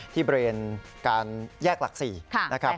ที่เบรนด์การแยกหลัก๔นะครับ